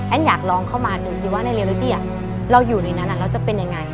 อยากลองเข้ามาดูซิว่าในเรลิตี้เราอยู่ในนั้นเราจะเป็นยังไง